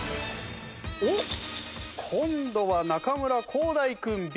おっ今度は中村浩大君Ｂ。